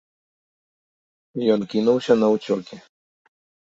Ён кінуўся на ўцёкі.